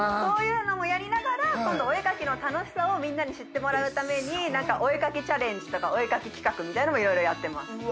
そういうのもやりながらお絵描きの楽しさをみんなに知ってもらうためにお絵描きチャレンジとかお絵描き企画みたいなのもいろいろやってます。